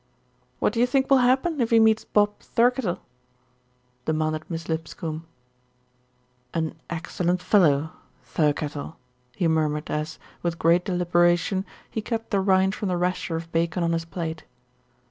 "What do you think will happen if he meets Bob Thirkettle?" demanded Miss Lipscombe. "An excellent fellow, Thirkettle," he murmured as, with great deliberation, he cut the rind from the rasher of bacon on his plate.